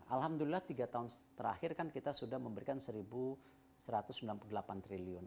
alhamdulillah tiga tahun terakhir kan kita sudah memberikan satu satu ratus sembilan puluh delapan triliun